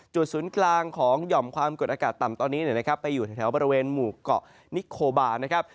ศูนย์กลางของหย่อมความกดอากาศต่ำตอนนี้นะครับไปอยู่แถวบริเวณหมู่เกาะนิโคบานะครับ